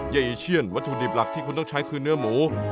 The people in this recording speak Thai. อีเชียนวัตถุดิบหลักที่คุณต้องใช้คือเนื้อหมู